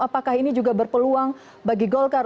apakah ini juga berpeluang bagi golkar